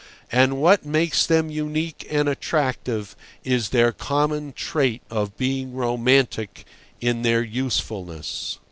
And what makes them unique and attractive is their common trait of being romantic in their usefulness.